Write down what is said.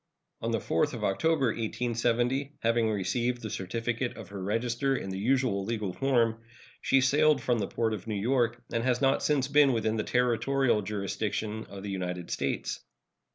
On the 4th of October, 1870, having received the certificate of her register in the usual legal form, she sailed from the port of New York and has not since been within the territorial jurisdiction of the United States.